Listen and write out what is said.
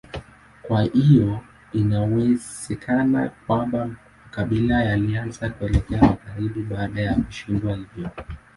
Kwa hiyo inawezekana kwamba makabila yalianza kuelekea magharibi baada ya kushindwa hivyo.